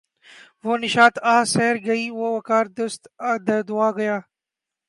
وہ نشاط آہ سحر گئی وہ وقار دست دعا گیا